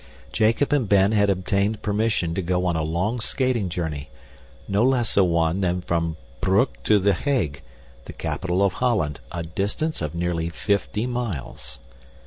Jacob and Ben had obtained permission to go on a long skating journey no less a one than from Broek to The Hague, the capital of Holland, a distance of nearly fifty miles!